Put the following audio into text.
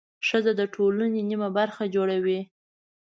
ښځه د ټولنې نیمه برخه جوړوي.